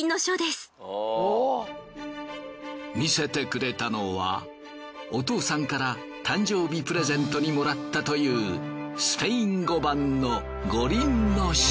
見せてくれたのはお父さんから誕生日プレゼントにもらったというスペイン語版の『五輪書』。